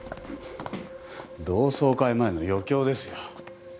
同窓会前の余興ですよ。